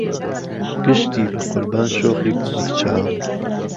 گشتی به قوربان شۆخی بهڵهکچاو